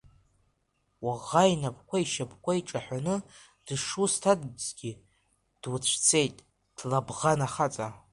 Уаӷа инапқәеи ишьапқәеи ҿаҳәаны дышусҭазгьы, дуцәцеит, Ҭлабӷан ахаҵа.